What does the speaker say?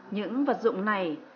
những vật dụng này